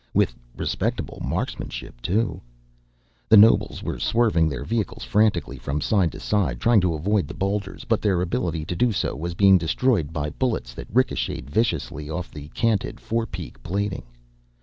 With respectable marksmanship, too. The nobles were swerving their vehicles frantically from side to side, trying to avoid the boulders, but their ability to do so was being destroyed by bullets that ricocheted viciously off the canted forepeak plating.